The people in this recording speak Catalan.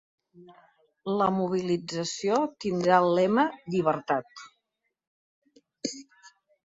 La mobilització tindrà el lema Llibertat.